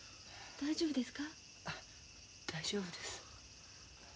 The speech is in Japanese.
大丈夫です。